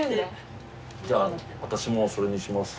じゃあ私もそれにします。